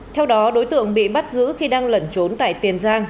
theo đó đối tượng bị bắt giữ khi đang lẩn trốn tại tiền giang